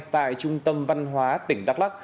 tại trung tâm văn hóa tỉnh đắk lắc